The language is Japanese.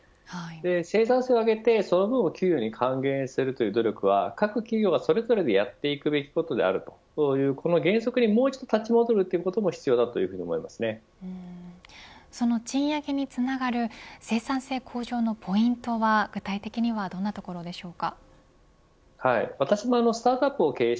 生産性を上げてその分を給与に還元するという努力は各企業がそれぞれでやっていくことべきだということをこの原則にもう一度立ち戻ることがその賃上げにつながる生産性向上のポイントは具体的にはどんなところでしょうか。